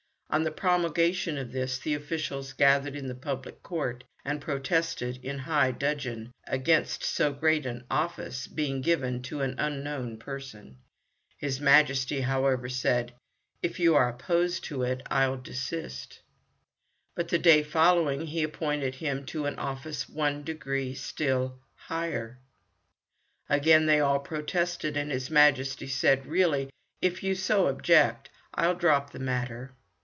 On the promulgation of this the officials gathered in the public court, and protested in high dudgeon against so great an office being given to an unknown person. His Majesty, however, said, "If you are so opposed to it, I'll desist." But the day following he appointed him to an office one degree still higher. Again they all protested, and his Majesty said, "Really, if you so object, I'll drop the matter."